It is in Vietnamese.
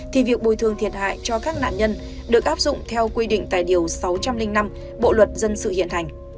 thì việc bồi thường thiệt hại cho các nạn nhân được áp dụng theo quy định tại điều sáu trăm linh năm bộ luật dân sự hiện hành